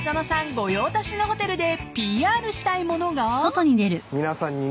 御用達のホテルでＰＲしたいものが］